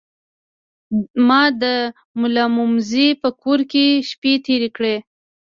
ما د ملامموزي په کور کې شپې تیرې کړې.